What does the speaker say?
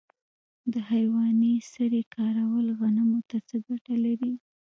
د حیواني سرې کارول غنمو ته څه ګټه لري؟